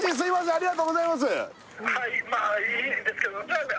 ありがとうございます